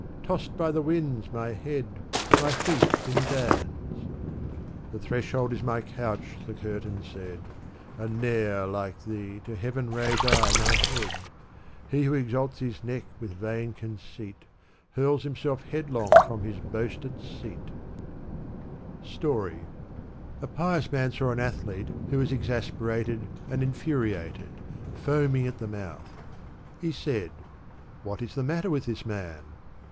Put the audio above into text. Tossed by the winds my head, my feet in bands." "The threshold is my couch," the curtain said, " And ne'er, like thee, to heaven raise I my head : He who exalts his neck with vain conceit. Hurls himself headlong from his boasted seat." g i Digitized by Google 288 Sa'du Story. A pious man saw an athlete who was exasperated, and infuriated, foaming at the mouth. He said, ''What is the matter with this man?"